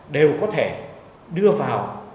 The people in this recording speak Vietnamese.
đều có thể đưa vào